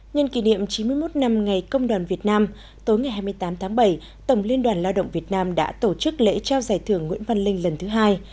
nhân kỷ niệm chín mươi một năm ngày công đoàn việt nam tối ngày hai mươi tám tháng bảy tổng liên đoàn lao động việt nam đã tổ chức lễ trao giải thưởng nguyễn văn linh lần thứ hai